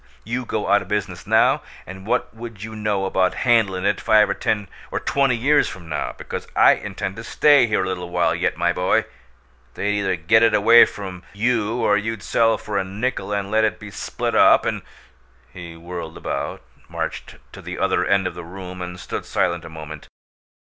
You go out o' business now, and what would you know about handlin' it five or ten or twenty years from now? Because I intend to STAY here a little while yet, my boy! They'd either get it away from you or you'd sell for a nickel and let it be split up and " He whirled about, marched to the other end of the room, and stood silent a moment.